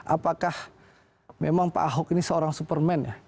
apakah memang pak ahok ini seorang superman ya